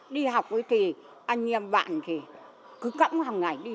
đi học ấy thì anh em bạn thì cứ cấm hằng ngày đi